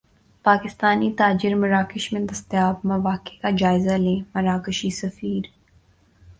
پاکستانی تاجر مراکش میں دستیاب مواقع کا جائزہ لیں مراکشی سفیر